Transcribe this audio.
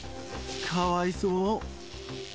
かわいそう。